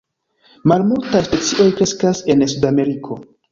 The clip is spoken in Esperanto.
Malmultaj specioj kreskas en Sudameriko.